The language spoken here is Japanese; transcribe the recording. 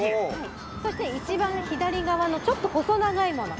そして、一番左側のちょっと細長いもの。